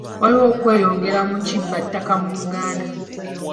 Waliwo okweyongera mu kibba ttaka mu Uganda.